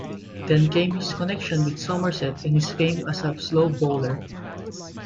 Then came his connection with Somerset and his fame as a slow bowler.